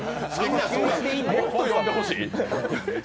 もっと呼んでほしい？